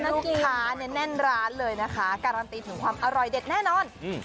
ลูกค้าเน่นล้านเลยนะคะการันตีคุณความอร่อยเด็ดแน่นอน